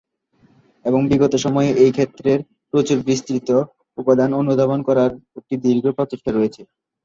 এবং বিগত সময়ে এই ক্ষেত্রের প্রচুর বিস্তৃত উপাদান অনুধাবন করার একটি দীর্ঘ প্রচেষ্টা রয়েছে।